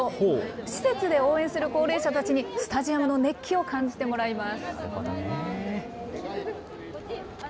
施設で応援する高齢者たちに、スタジアムの熱気を感じてもらいます。